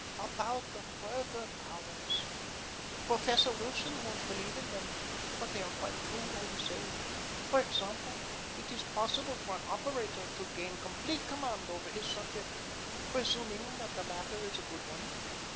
Oh, about the further powers. Professor Wilson won't believe in them, but they are quite true all the same. For example, it is possible for an operator to gain complete command over his subject presuming that the latter is a good one.